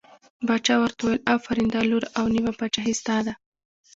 باچا ورته وویل آفرین دا لور او نیمه پاچهي ستا ده.